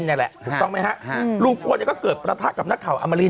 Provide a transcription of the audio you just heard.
อันเนี้ยแหละถูกต้องไหมล่ะลูกคนก็เกิดประทะกับนักข่าวอัมริน